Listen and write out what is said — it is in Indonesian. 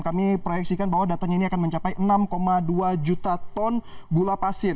kami proyeksikan bahwa datanya ini akan mencapai enam dua juta ton gula pasir